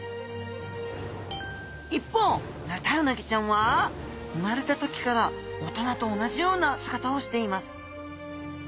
一方ヌタウナギちゃんは生まれた時から大人と同じような姿をしています